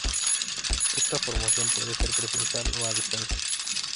Esta formación puede ser presencial o a distancia.